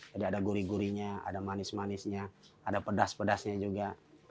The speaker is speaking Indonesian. jadi ada gurih gurihnya ada manis manisnya ada pedas pedasnya juga